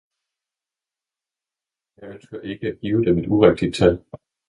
Jeg ønsker ikke at give dem et urigtigt tal.